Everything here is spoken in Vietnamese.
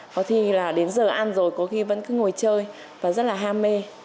có thì là đến giờ ăn rồi có khi vẫn cứ ngồi chơi và rất là ham mê